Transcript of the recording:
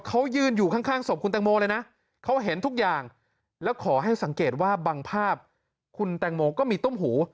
คุณตังโมก็มีต้มหู